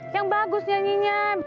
yang bagus nyanyinya biar orang kasih